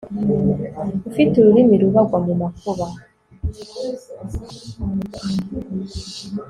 ufite ururimi rubi, agwa mu makuba